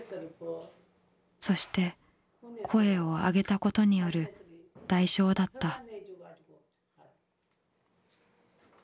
そして声をあげたことによる代償だった。